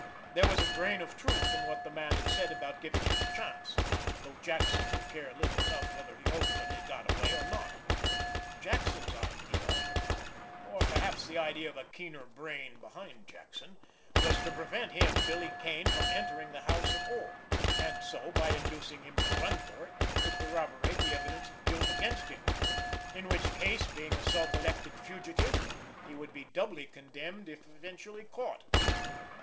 There was a grain of truth in what the man had said about giving him a chance, though Jackson would care little enough whether he ultimately got away, or not. Jackson's idea, or perhaps the idea of a keener brain behind Jackson, was to prevent him, Billy Kane, from entering the house at all, and so, by inducing him to run for it, to corroborate the evidence of guilt against him, in which case, being a self elected fugitive, he would be doubly condemned if eventually caught.